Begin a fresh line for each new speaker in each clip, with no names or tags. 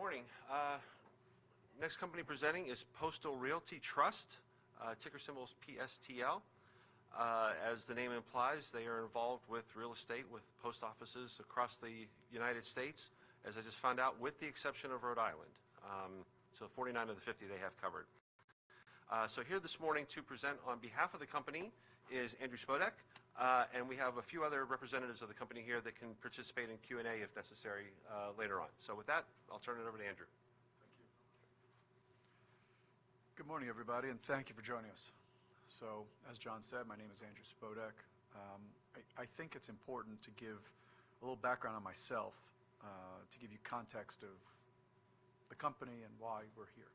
Good morning. Next company presenting is Postal Realty Trust, ticker symbol is PSTL. As the name implies, they are involved with real estate, with post offices across the United States, as I just found out, with the exception of Rhode Island. So 49 of the 50 they have covered. So here this morning to present on behalf of the company is Andrew Spodek. And we have a few other representatives of the company here that can participate in Q&A, if necessary, later on. So with that, I'll turn it over to Andrew.
Thank you. Good morning, everybody, and thank you for joining us. So, as John said, my name is Andrew Spodek. I think it's important to give a little background on myself, to give you context of the company and why we're here.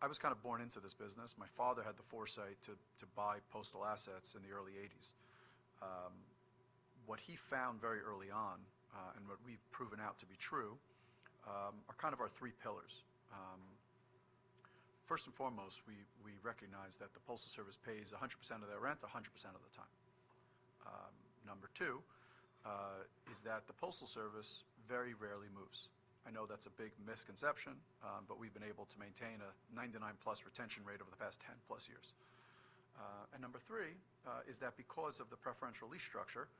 I was kind of born into this business. My father had the foresight to buy postal assets in the early 1980s. What he found very early on, and what we've proven out to be true, are kind of our three pillars. First and foremost, we recognize that the Postal Service pays 100% of their rent 100% of the time. Number two is that the Postal Service very rarely moves. I know that's a big misconception, but we've been able to maintain a 99+ retention rate over the past 10+ years. Number three is that because of the preferential lease structure,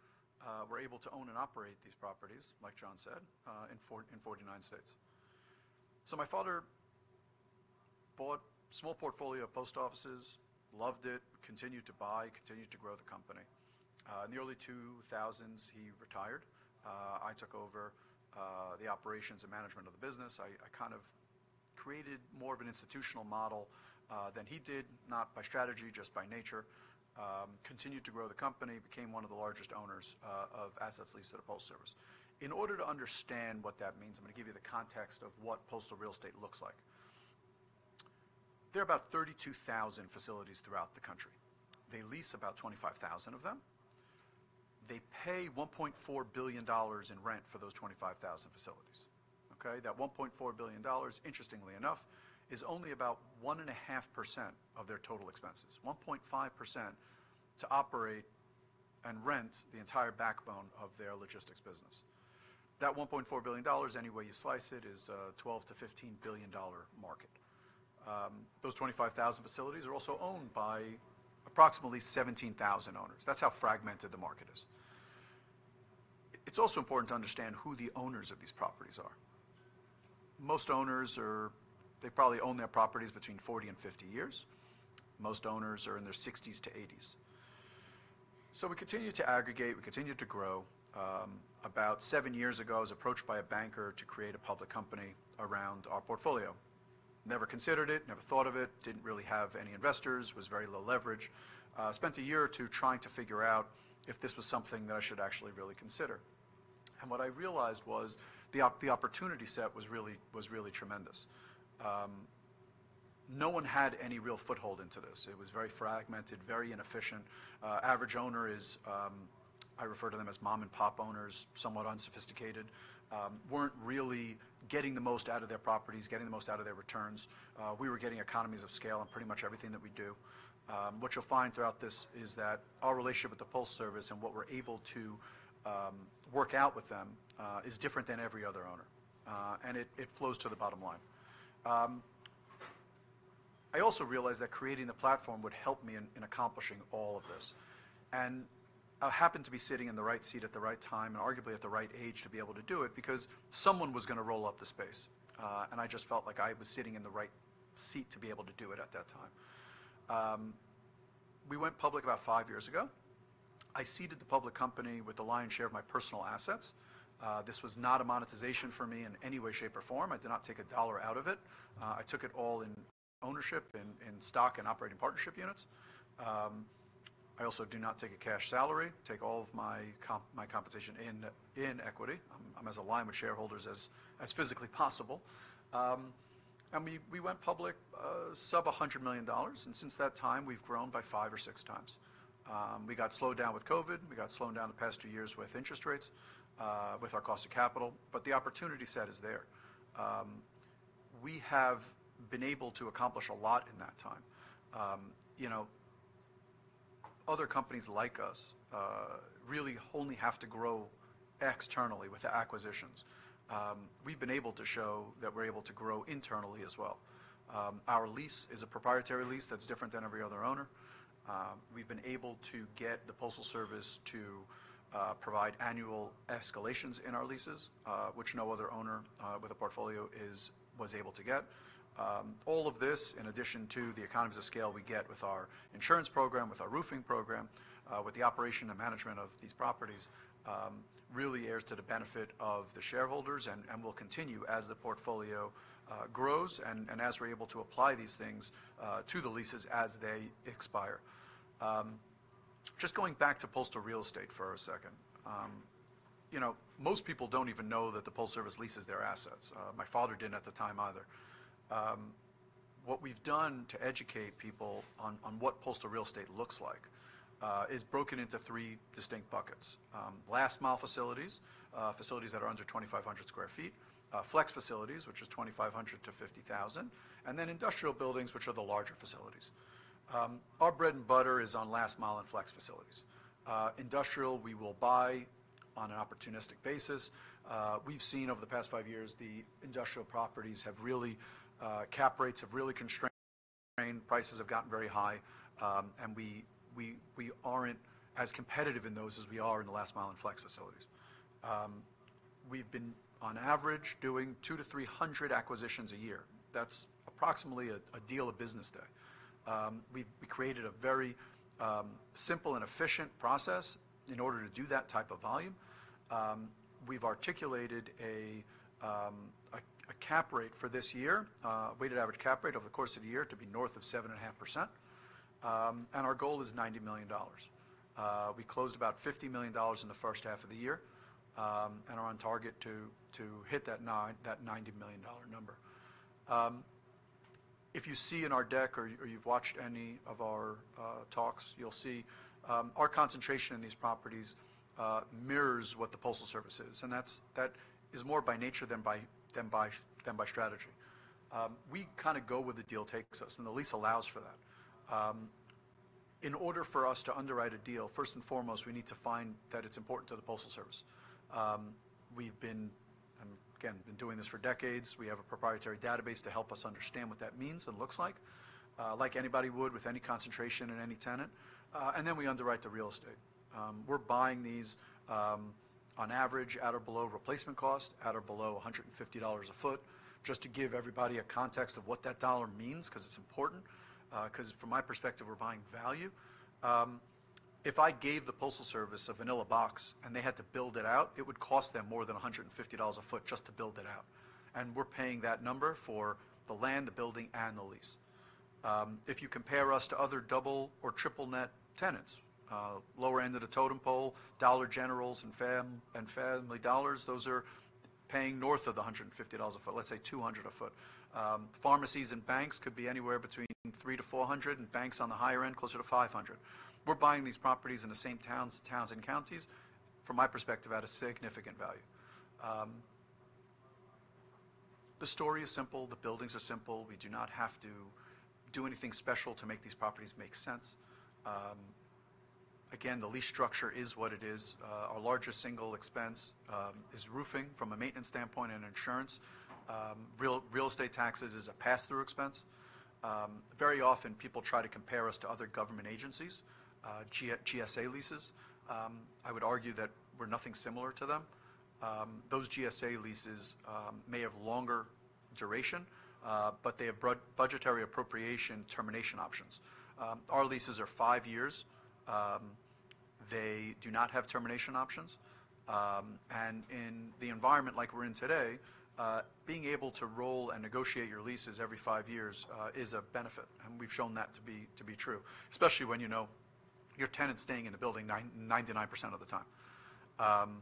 we're able to own and operate these properties, like John said, in 49 states. My father bought a small portfolio of post offices, loved it, continued to buy, continued to grow the company. In the early 2000s, he retired. I took over the operations and management of the business. I kind of created more of an institutional model than he did, not by strategy, just by nature. Continued to grow the company, became one of the largest owners of assets leased to the Postal Service. In order to understand what that means, I'm going to give you the context of what postal real estate looks like. There are about 32,000 facilities throughout the country. They lease about 25,000 of them. They pay $1.4 billion in rent for those 25,000 facilities, okay? That $1.4 billion, interestingly enough, is only about 1.5% of their total expenses. 1.5% to operate and rent the entire backbone of their logistics business. That $1.4 billion, any way you slice it, is a $12-15 billion market. Those 25,000 facilities are also owned by approximately 17,000 owners. That's how fragmented the market is. It's also important to understand who the owners of these properties are. Most owners probably own their properties between 40-50 years. Most owners are in their 60s-80s, so we continued to aggregate, we continued to grow. About seven years ago, I was approached by a banker to create a public company around our portfolio. Never considered it, never thought of it, didn't really have any investors, was very low leverage. Spent a year or two trying to figure out if this was something that I should actually really consider, and what I realized was the opportunity set was really tremendous. No one had any real foothold into this. It was very fragmented, very inefficient. Average owner is, I refer to them as mom-and-pop owners, somewhat unsophisticated. Weren't really getting the most out of their properties, getting the most out of their returns. We were getting economies of scale on pretty much everything that we do. What you'll find throughout this is that our relationship with the Postal Service and what we're able to work out with them is different than every other owner, and it flows to the bottom line. I also realized that creating the platform would help me in accomplishing all of this. And I happened to be sitting in the right seat at the right time, and arguably at the right age to be able to do it, because someone was going to roll up the space. And I just felt like I was sitting in the right seat to be able to do it at that time. We went public about five years ago. I seeded the public company with the lion's share of my personal assets. This was not a monetization for me in any way, shape, or form. I did not take a dollar out of it. I took it all in ownership, in stock and operating partnership units. I also do not take a cash salary. I take all of my compensation in equity. I'm as aligned with shareholders as physically possible, and we went public sub-$100 million, and since that time, we've grown by five or six times. We got slowed down with COVID. We got slowed down the past two years with interest rates, with our cost of capital, but the opportunity set is there. We have been able to accomplish a lot in that time. You know, other companies like us really only have to grow externally with the acquisitions. We've been able to show that we're able to grow internally as well. Our lease is a proprietary lease that's different than every other owner. We've been able to get the Postal Service to provide annual escalations in our leases, which no other owner with a portfolio is, was able to get. All of this, in addition to the economies of scale we get with our insurance program, with our roofing program, with the operation and management of these properties, really inures to the benefit of the shareholders and will continue as the portfolio grows and as we're able to apply these things to the leases as they expire. Just going back to postal real estate for a second. You know, most people don't even know that the Postal Service leases their assets. My father didn't at the time either. What we've done to educate people on what postal real estate looks like is broken into three distinct buckets. Last mile facilities, facilities that are under 2,500 sq ft, flex facilities, which is 2,500 to 50,000, and then industrial buildings, which are the larger facilities. Our bread and butter is on last mile and flex facilities. Industrial, we will buy on an opportunistic basis. We've seen over the past five years, the industrial properties have really prices have gotten very high, and we aren't as competitive in those as we are in the last mile and flex facilities. We've been, on average, doing 200-300 acquisitions a year. That's approximately a deal a business day. We've created a very simple and efficient process in order to do that type of volume. We've articulated a cap rate for this year, a weighted average cap rate over the course of the year to be north of 7.5%, and our goal is $90 million. We closed about $50 million in the first half of the year, and are on target to hit that $90 million number. If you see in our deck or you've watched any of our talks, you'll see our concentration in these properties mirrors what the Postal Service is, and that is more by nature than by strategy. We kind of go where the deal takes us, and the lease allows for that. In order for us to underwrite a deal, first and foremost, we need to find that it's important to the Postal Service. We've been doing this for decades. We have a proprietary database to help us understand what that means and looks like, like anybody would with any concentration in any tenant, and then we underwrite the real estate. We're buying these, on average, at or below replacement cost, at or below $150 a foot. Just to give everybody a context of what that dollar means, 'cause it's important, 'cause from my perspective, we're buying value. If I gave the Postal Service a vanilla box and they had to build it out, it would cost them more than $150 a foot just to build it out, and we're paying that number for the land, the building, and the lease. If you compare us to other double or triple net tenants, lower end of the totem pole, Dollar Generals and Family Dollars, those are paying north of $150 a foot, let's say $200 a foot. Pharmacies and banks could be anywhere between $300-$400, and banks on the higher end, closer to $500. We're buying these properties in the same towns and counties, from my perspective, at a significant value. The story is simple. The buildings are simple. We do not have to do anything special to make these properties make sense. Again, the lease structure is what it is. Our largest single expense is roofing from a maintenance standpoint and insurance. Real estate taxes is a pass-through expense. Very often, people try to compare us to other government agencies, GSA leases. I would argue that we're nothing similar to them. Those GSA leases may have longer duration, but they have budgetary appropriation termination options. Our leases are five years. They do not have termination options, and in the environment like we're in today, being able to roll and negotiate your leases every five years is a benefit, and we've shown that to be true, especially when you know your tenant's staying in the building 99% of the time.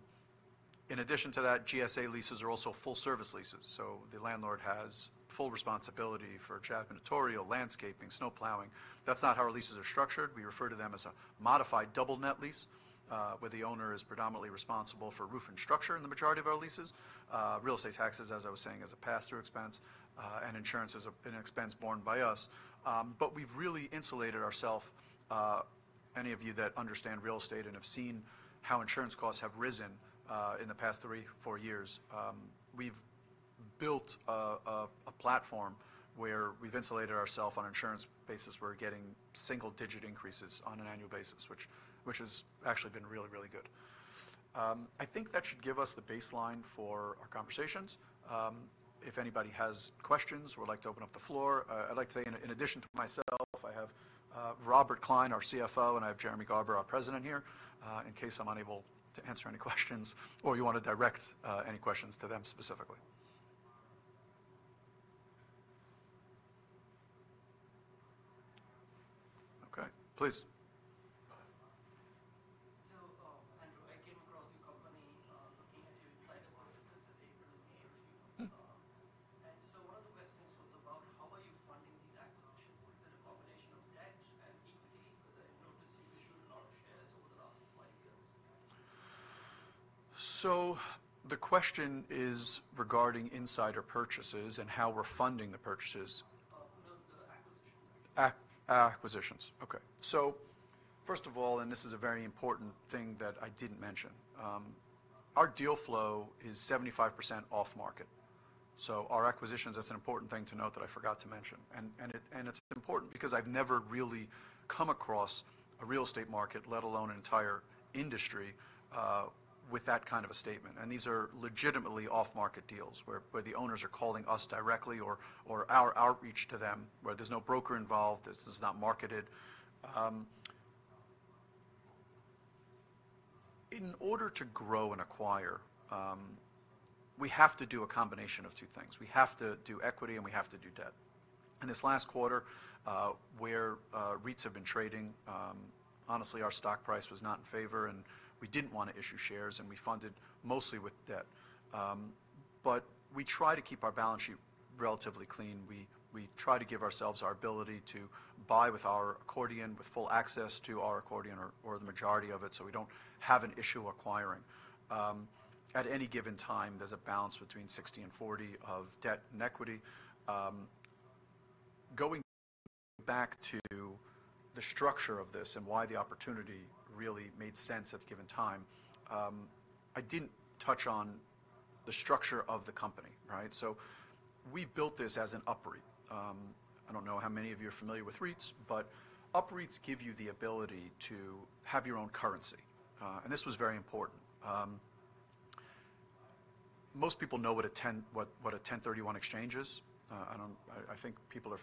In addition to that, GSA leases are also full-service leases, so the landlord has full responsibility for janitorial, landscaping, snow plowing. That's not how our leases are structured. We refer to them as a modified double net lease, where the owner is predominantly responsible for roof and structure in the majority of our leases. Real estate taxes, as I was saying, is a pass-through expense, and insurance is an expense borne by us. But we've really insulated ourselves. Any of you that understand real estate and have seen how insurance costs have risen in the past three, four years, we've built a platform where we've insulated ourself on an insurance basis. We're getting single-digit increases on an annual basis, which has actually been really, really good. I think that should give us the baseline for our conversations. If anybody has questions, we'd like to open up the floor. I'd like to say in addition to myself, I have Robert Klein, our CFO, and I have Jeremy Garber, our President here, in case I'm unable to answer any questions or you want to direct any questions to them specifically. Okay, please. So, Andrew, I came across your company, looking at your insider purchases in April and May. And so one of the questions was about how are you funding these acquisitions? Is it a combination of debt and equity? 'Cause I noticed you issued a lot of shares over the last five years. So the question is regarding insider purchases and how we're funding the purchases. No, the acquisitions. Acquisitions. Okay. So first of all, and this is a very important thing that I didn't mention, our deal flow is 75% off-market. So our acquisitions, that's an important thing to note that I forgot to mention, and it's important because I've never really come across a real estate market, let alone an entire industry, with that kind of a statement. And these are legitimately off-market deals, where the owners are calling us directly or our outreach to them, where there's no broker involved, this is not marketed. In order to grow and acquire, we have to do a combination of two things: We have to do equity, and we have to do debt. In this last quarter, where REITs have been trading, honestly, our stock price was not in favor, and we didn't want to issue shares, and we funded mostly with debt. But we try to keep our balance sheet relatively clean. We try to give ourselves our ability to buy with our accordion, with full access to our accordion or the majority of it, so we don't have an issue acquiring. At any given time, there's a balance between 60 and 40 of debt and equity. Going back to the structure of this and why the opportunity really made sense at the given time, I didn't touch on the structure of the company, right? So we built this as an UPREIT. I don't know how many of you are familiar with REITs, but UPREITs give you the ability to have your own currency, and this was very important. Most people know what a 1031 exchange is. I think people are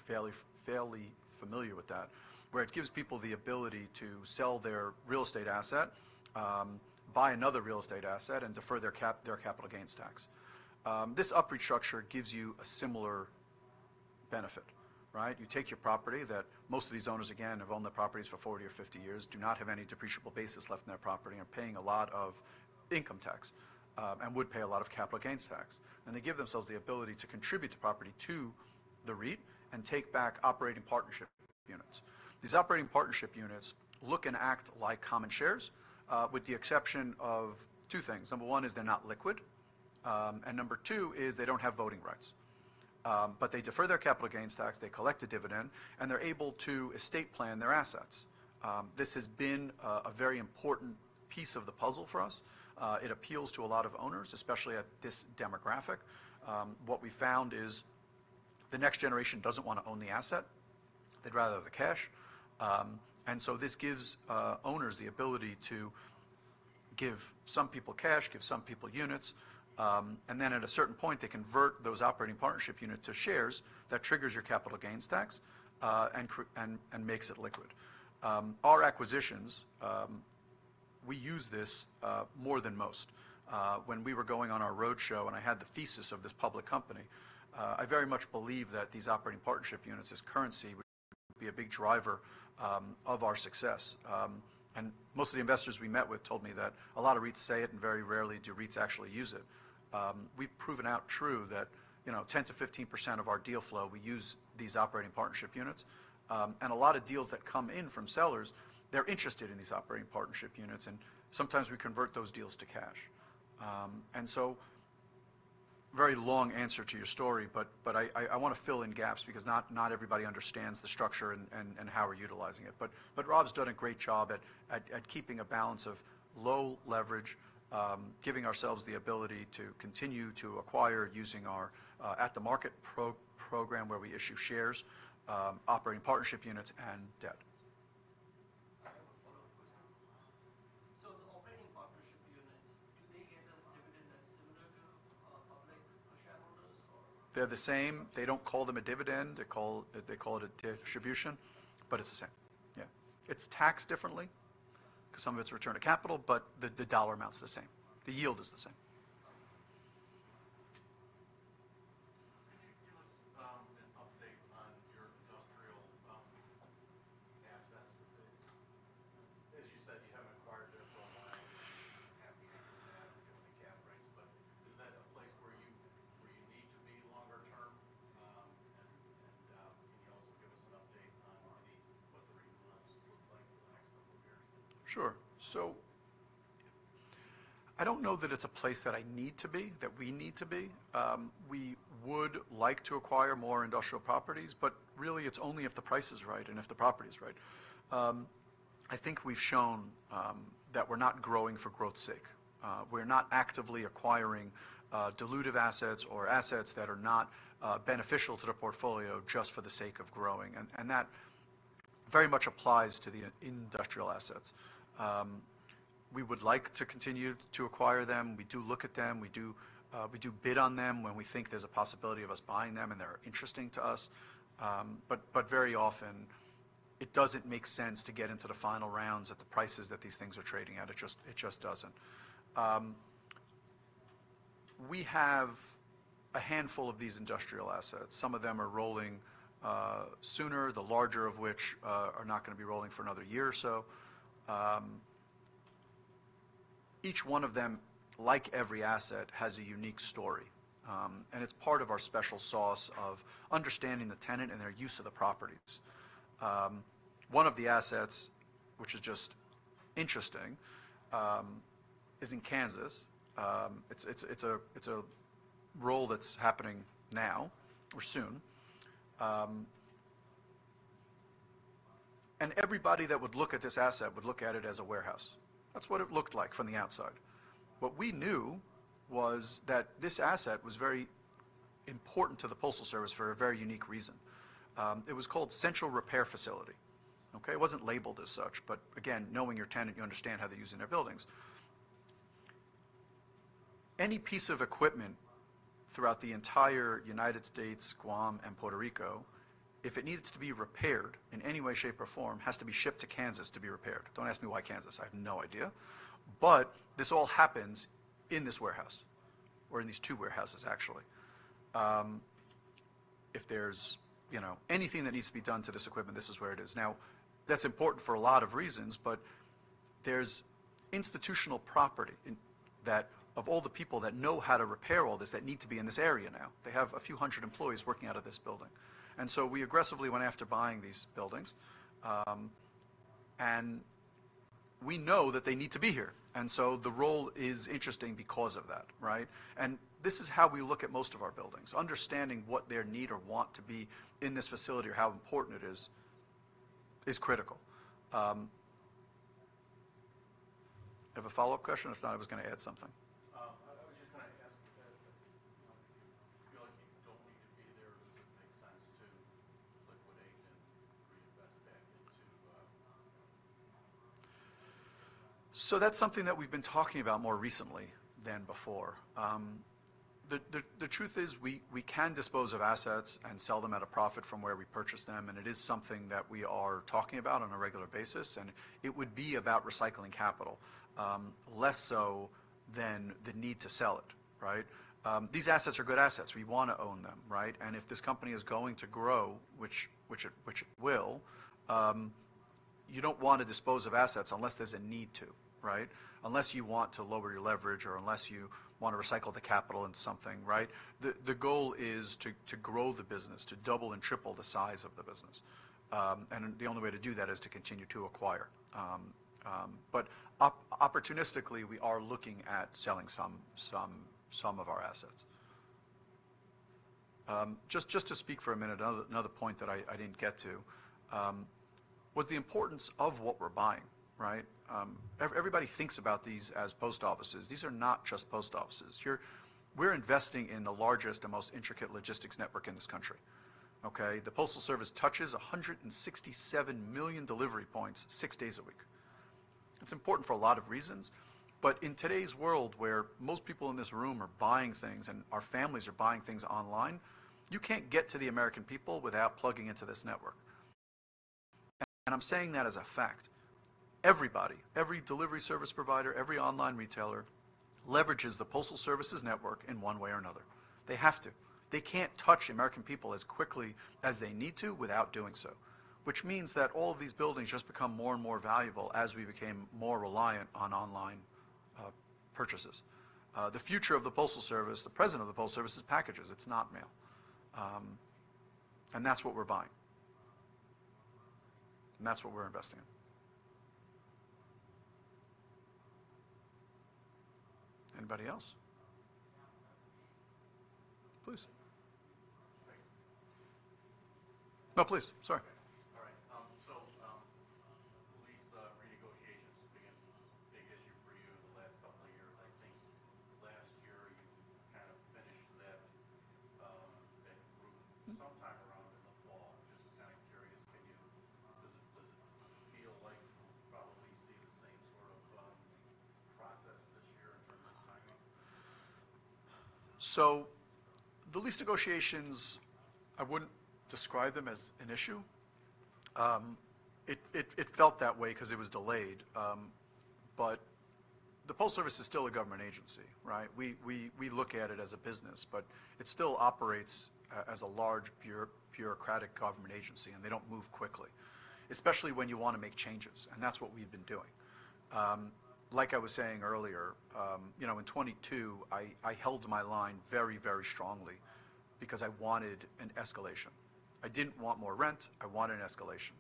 fairly familiar with that, where it gives people the ability to sell their real estate asset, buy another real estate asset, and defer their capital gains tax. This UPREIT structure gives you a similar benefit, right? You take your property that most of these owners, again, have owned the properties for 40 or 50 years, do not have any depreciable basis left in their property, and are paying a lot of income tax, and would pay a lot of capital gains tax. And they give themselves the ability to contribute the property to the REIT and take back operating partnership units. These operating partnership units look and act like common shares, with the exception of two things: number one is they're not liquid, and number two is they don't have voting rights. But they defer their capital gains tax, they collect a dividend, and they're able to estate plan their assets. This has been a very important piece of the puzzle for us. It appeals to a lot of owners, especially at this demographic. What we found is the next generation doesn't wanna own the asset, they'd rather have the cash. And so this gives owners the ability to give some people cash, give some people units, and then at a certain point, they convert those operating partnership units to shares. That triggers your capital gains tax, and makes it liquid. Our acquisitions, we use this more than most. When we were going on our roadshow, and I had the thesis of this public company, I very much believe that these operating partnership units as currency would be a big driver of our success. And most of the investors we met with told me that a lot of REITs say it, and very rarely do REITs actually use it. We've proven out true that, you know, 10%-15% of our deal flow, we use these operating partnership units. And a lot of deals that come in from sellers, they're interested in these operating partnership units, and sometimes we convert those deals to cash. So very long answer to your story, but I wanna fill in gaps because not everybody understands the structure and how we're utilizing it. But Rob's done a great job at keeping a balance of low leverage, giving ourselves the ability to continue to acquire using our at-the-market program, where we issue shares, operating partnership units, and debt. I have a follow-up question. So the operating partnership units, do they get a dividend that's similar to, public shareholders or? They're the same. They don't call them a dividend, they call it a distribution, but it's the same. Yeah. It's taxed differently, because some of it's return of capital, but the dollar amount's the same. The yield is the same. Can you give us an update on your industrial assets? As you said, you haven't acquired there for a while, happy with that, given the cap rates. But is that a place where you need to be longer term? And can you also give us an update on what the REIT looks like in the next couple of years? Sure. So I don't know that it's a place that I need to be, that we need to be. We would like to acquire more industrial properties, but really, it's only if the price is right and if the property is right. I think we've shown that we're not growing for growth's sake. We're not actively acquiring dilutive assets or assets that are not beneficial to the portfolio just for the sake of growing, and that very much applies to the industrial assets. We would like to continue to acquire them. We do look at them, we do bid on them when we think there's a possibility of us buying them, and they're interesting to us. But very often, it doesn't make sense to get into the final rounds at the prices that these things are trading at. It just doesn't. We have a handful of these industrial assets. Some of them are rolling sooner, the larger of which are not gonna be rolling for another year or so. Each one of them, like every asset, has a unique story, and it's part of our special sauce of understanding the tenant and their use of the properties. One of the assets, which is just interesting, is in Kansas. It's a roll that's happening now or soon, and everybody that would look at this asset would look at it as a warehouse. That's what it looked like from the outside. What we knew was that this asset was very important to the Postal Service for a very unique reason. It was called Central Repair Facility. Okay? It wasn't labeled as such, but again, knowing your tenant, you understand how they're using their buildings. Any piece of equipment throughout the entire United States, Guam, and Puerto Rico, if it needs to be repaired in any way, shape, or form, has to be shipped to Kansas to be repaired. Don't ask me why Kansas, I have no idea. But this all happens in this warehouse, or in these two warehouses, actually. If there's, you know, anything that needs to be done to this equipment, this is where it is. Now, that's important for a lot of reasons, but there's institutional property in... That of all the people that know how to repair all this, they need to be in this area now. They have a few hundred employees working out of this building, and so we aggressively went after buying these buildings. And we know that they need to be here, and so the role is interesting because of that, right? And this is how we look at most of our buildings, understanding what their need or want to be in this facility or how important it is, is critical. Have a follow-up question? If not, I was going to add something. I was just going to ask that, you know, do you feel like you don't need to be there, or does it make sense to liquidate and reinvest back into, That's something that we've been talking about more recently than before. The truth is, we can dispose of assets and sell them at a profit from where we purchased them, and it is something that we are talking about on a regular basis, and it would be about recycling capital, less so than the need to sell it, right? These assets are good assets. We want to own them, right? And if this company is going to grow, which it will, you don't want to dispose of assets unless there's a need to, right? Unless you want to lower your leverage, or unless you want to recycle the capital into something, right? The goal is to grow the business, to double and triple the size of the business. And the only way to do that is to continue to acquire. But opportunistically, we are looking at selling some of our assets. Just to speak for a minute, another point that I didn't get to was the importance of what we're buying, right? Everybody thinks about these as post offices. These are not just post offices. We're investing in the largest and most intricate logistics network in this country, okay? The Postal Service touches 167 million delivery points, six days a week. It's important for a lot of reasons, but in today's world, where most people in this room are buying things, and our families are buying things online, you can't get to the American people without plugging into this network. And I'm saying that as a fact. Everybody, every delivery service provider, every online retailer, leverages the Postal Service's network in one way or another. They have to. They can't touch the American people as quickly as they need to without doing so, which means that all of these buildings just become more and more valuable as we became more reliant on online purchases. The future of the Postal Service, the present of the Postal Service is packages. It's not mail, and that's what we're buying, and that's what we're investing in. Anybody else? Please. Thank you. No, please. Sorry. All right, so the lease renegotiations have been a big issue for you in the last couple of years. I think last year, you kind of finished that group- Mm-hmm... sometime around in the fall. Just kind of curious, can you, does it feel like we'll probably see the same sort of process this year in terms of timing? So the lease negotiations, I wouldn't describe them as an issue. It felt that way because it was delayed, but the Postal Service is still a government agency, right? We look at it as a business, but it still operates as a large, bureaucratic government agency, and they don't move quickly, especially when you want to make changes, and that's what we've been doing. Like I was saying earlier, you know, in 2022, I held my line very, very strongly because I wanted an escalation. I didn't want more rent; I wanted an escalation,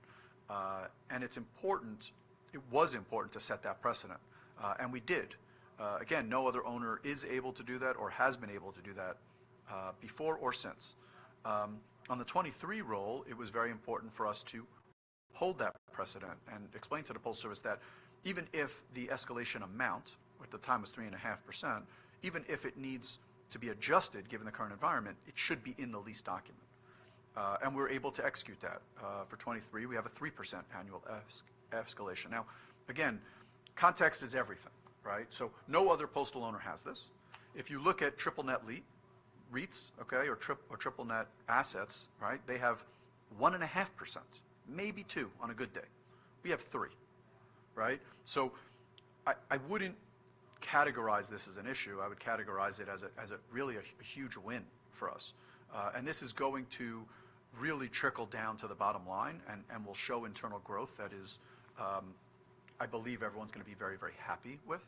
and it's important, it was important to set that precedent, and we did. Again, no other owner is able to do that or has been able to do that, before or since. On the 2023 roll, it was very important for us to hold that precedent and explain to the Postal Service that even if the escalation amount, at the time it was 3.5%, even if it needs to be adjusted, given the current environment, it should be in the lease document, and we were able to execute that. For 2023, we have a 3% annual escalation. Now, again, context is everything, right, so no other postal owner has this. If you look at triple net lease REITs, okay, or triple net assets, right, they have 1.5%, maybe 2% on a good day. We have 3%, right, so I wouldn't categorize this as an issue. I would categorize it as a really huge win for us. And this is going to really trickle down to the bottom line and, and will show internal growth that is, I believe everyone's going to be very, very happy with.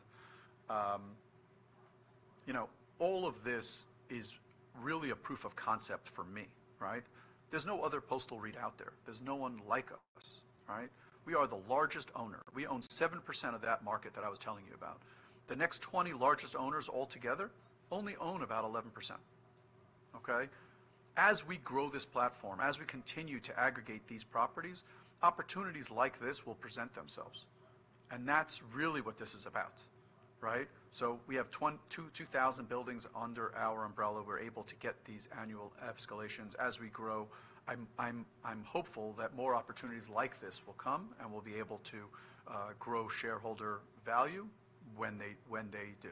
You know, all of this is really a proof of concept for me, right? There's no other postal REIT out there. There's no one like us, right? We are the largest owner. We own 7% of that market that I was telling you about. The next 20 largest owners altogether only own about 11%, okay? As we grow this platform, as we continue to aggregate these properties, opportunities like this will present themselves, and that's really what this is about, right? So we have two, 2,000 buildings under our umbrella. We're able to get these annual escalations as we grow. I'm hopeful that more opportunities like this will come, and we'll be able to grow shareholder value when they do.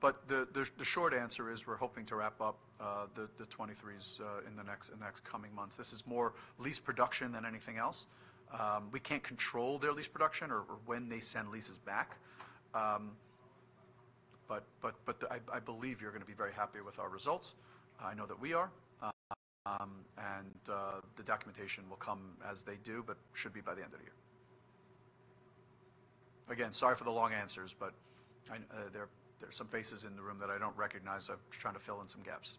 But the short answer is we're hoping to wrap up the 2023s in the next coming months. This is more lease production than anything else. We can't control their lease production or when they send leases back. But I believe you're going to be very happy with our results. I know that we are. And the documentation will come as they do, but should be by the end of the year. Again, sorry for the long answers, but there are some faces in the room that I don't recognize. I'm just trying to fill in some gaps.